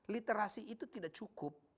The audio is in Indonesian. literasi itu tidak cukup